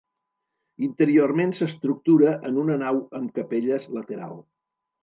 Interiorment s'estructura en una nau amb capelles lateral.